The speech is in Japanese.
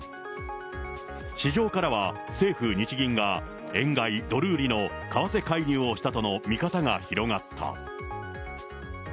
市場からは政府・日銀が円買いドル売りの為替介入をしたとの見方が広がった。